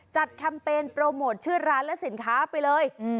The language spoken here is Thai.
แคมเปญโปรโมทชื่อร้านและสินค้าไปเลย